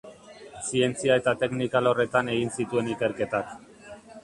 Zientzia eta teknika alorretan egin zituen ikerketak.